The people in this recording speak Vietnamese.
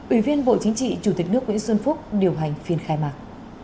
ủy viên bộ chính trị chủ tịch nước nguyễn xuân phúc điều hành phiên khai mạc